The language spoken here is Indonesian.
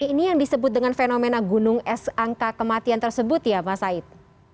ini yang disebut dengan fenomena gunung es angka kematian tersebut ya mas said